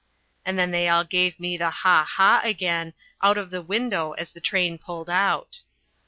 and then they all gave me the ha! ha! again, out of the window as the train pulled out.